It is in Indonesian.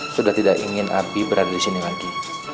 sudah tidak ingin abi berada disini lagi